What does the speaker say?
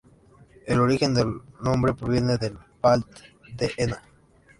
El origen del nombre proviene de "Val d 'Ena".